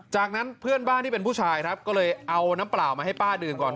จากนั้นเพื่อนบ้านที่เป็นผู้ชายครับก็เลยเอาน้ำเปล่ามาให้ป้าดื่มก่อน